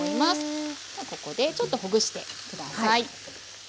ここでちょっとほぐして下さい。